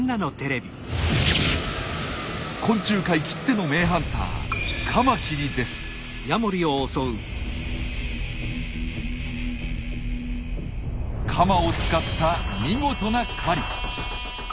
昆虫界きっての名ハンターカマを使った見事な狩り。